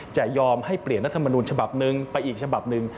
จะยอมให้เปลี่ยนรัฐมนูลฉบับนึงไปอีกฉบับหนึ่ง